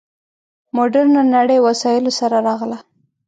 مډرنه نړۍ وسایلو سره راغله.